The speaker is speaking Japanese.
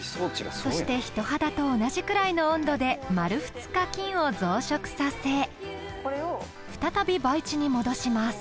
そして人肌と同じぐらいの温度で丸２日菌を増殖させ再び培地に戻します。